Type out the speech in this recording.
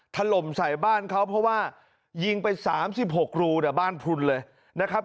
ถล่มใส่บ้านเขาเพราะว่ายิงไป๓๖รูเนี่ยบ้านพลุนเลยนะครับ